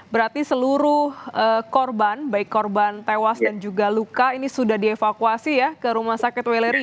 berarti seluruh korban baik korban tewas dan juga luka ini sudah dievakuasi ya ke rumah sakit weleri